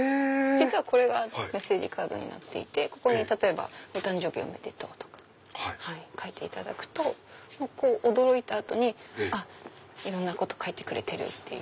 これがメッセージカードになっていて「お誕生日おめでとう」とか書いていただくと驚いた後にいろんなこと書いてくれてる！っていう。